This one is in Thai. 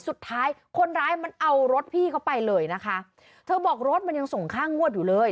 สุดท้ายคนร้ายมันเอารถพี่เขาไปเลยนะคะเธอบอกรถมันยังส่งค่างวดอยู่เลย